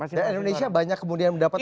indonesia banyak kemudian mendapatkan